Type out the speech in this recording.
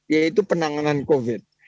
yaitu penanganan covid sembilan belas